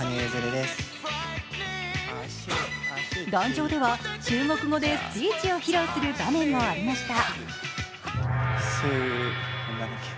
檀上では中国語でスピーチを披露する場面もありました。